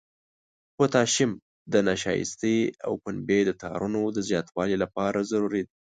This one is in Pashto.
پوتاشیم د نشایستې او پنبې د تارونو د زیاتوالي لپاره ضروري دی.